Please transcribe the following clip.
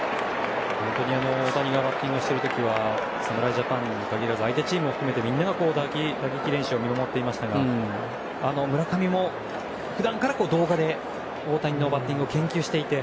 大谷がバッティングをしている時は侍ジャパンに限らず相手チームも含めてみんなで打撃練習を見守っていましたが村上も普段から動画で大谷のバッティングを研究していて。